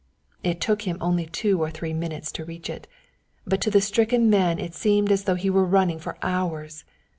It took him only two or three minutes to reach it, but to the stricken man it seemed as though he were running for hours.